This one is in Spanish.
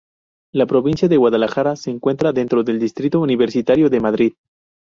La provincia de Guadalajara se encuentra dentro del distrito universitario de Madrid.